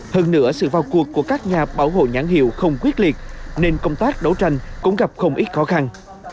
hơn nữa sự vào cuộc của các nhà bảo hộ nhãn hiệu không quyết liệt nên công tác đấu tranh cũng gặp không ít khó khăn